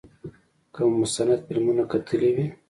که مو مستند فلمونه کتلي وي.